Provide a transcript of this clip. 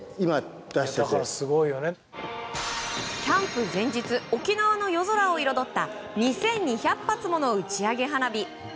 キャンプ前日沖縄の夜空を彩った２２００発もの打ち上げ花火。